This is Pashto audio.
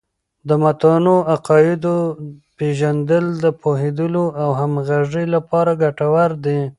د متنوع عقایدو پیژندل د پوهیدلو او همغږۍ لپاره ګټور دی.